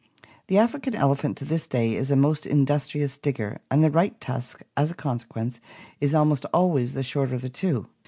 The African ele phant to this day is a most industrious digger and the right tusk, as a consequence, is almost always the shorter of the two.